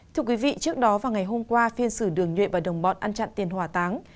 thưa quý vị trước đó vào ngày hôm qua phiên xử đường nhuệ và đồng bọn ăn chặn tiền hỏa táng